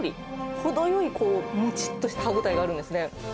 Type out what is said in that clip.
程よいもちっとした歯応えがあるんですね。